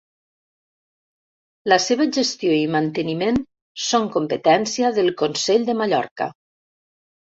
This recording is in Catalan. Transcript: La seva gestió i manteniment són competència del Consell de Mallorca.